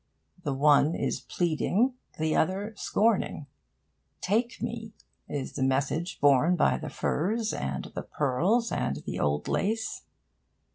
The one is pleading, the other scorning. 'Take me!' is the message borne by the furs and the pearls and the old lace.